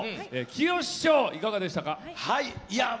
きよし師匠、いかがでしたか？